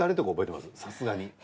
さすがに。